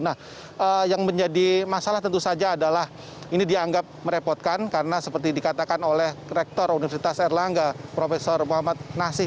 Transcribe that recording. nah yang menjadi masalah tentu saja adalah ini dianggap merepotkan karena seperti dikatakan oleh rektor universitas erlangga prof muhammad nasih